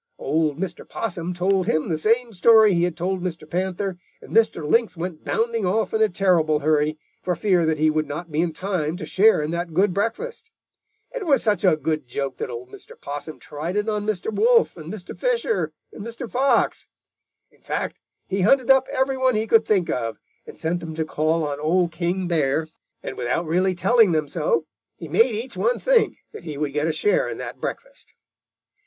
Old Mr. Possum told him the same story he had told Mr. Panther, and Mr. Lynx went bounding off in a terrible hurry, for fear that he would not be in time to share in that good breakfast. It was such a good joke that old Mr. Possum tried it on Mr. Wolf and Mr. Fisher and Mr. Fox. In fact, he hunted up every one he could think of and sent them to call on Old King Bear, and without really telling them so, he made each one think that he would get a share in that breakfast."